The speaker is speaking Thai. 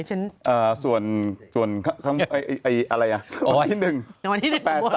ส่วนอะไรอ่ะวันที่๑๘๓